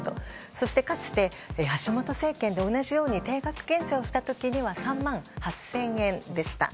そして、かつて橋本政権で同じように定額減税をした時には３万８０００円でした。